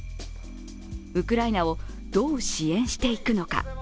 ウクライナをどう支援していくのか。